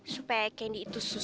supaya candy itu bisa selamat